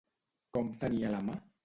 Com tenia la mà?